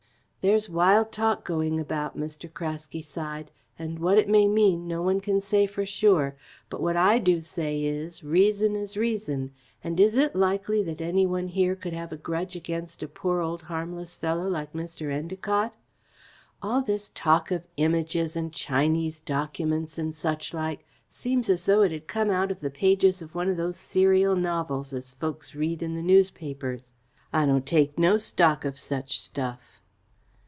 "There's wild talk going about," Mr. Craske sighed, "and what it may mean, no one can say for sure, but what I do say is, reason is reason, and is it likely that any one here could have a grudge against a poor old harmless fellow like Mr. Endacott? All this talk of Images and Chinese documents and suchlike seems as though it had come out of the pages of one of these serial novels as folks read in the newspapers. I don't take no stock of such stuff."